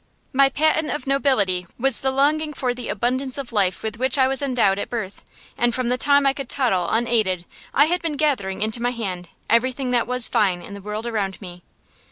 My patent of nobility was the longing for the abundance of life with which I was endowed at birth; and from the time I could toddle unaided I had been gathering into my hand everything that was fine in the world around me.